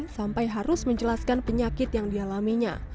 sampai harus menjelaskan penyakit yang dialaminya